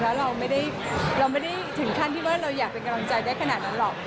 แล้วเราไม่ได้ถึงขั้นที่ว่าเราอยากเป็นกำลังใจได้ขนาดนั้นหรอก